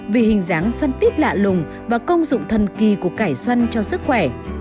vì hình dáng xoăn tít lạ lùng và công dụng thần kỳ của cải xoăn cho sức khỏe